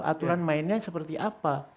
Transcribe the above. aturan mainnya seperti apa